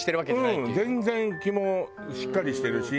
うん全然気もしっかりしてるし。